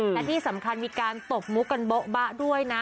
และที่สำคัญมีการตบมุกกันโบ๊บะด้วยนะ